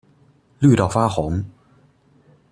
綠到發紅